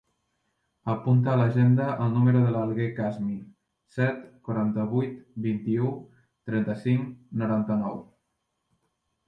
Apunta a l'agenda el número de l'Alguer Kasmi: set, quaranta-vuit, vint-i-u, trenta-cinc, noranta-nou.